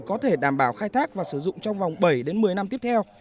có thể đảm bảo khai thác và sử dụng trong vòng bảy đến một mươi năm tiếp theo